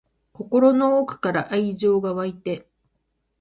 心の奥から愛情が湧いて